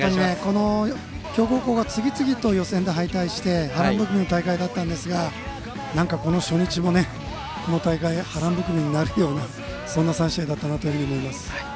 強豪校が次々と予選で敗退して波乱含みの大会だったんですがこの初日も、この大会波乱含みになるようなそんな３試合だったなと思います。